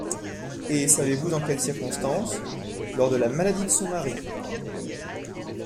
Et savez-vous en quelle circonstance ? Lors de la maladie de son mari.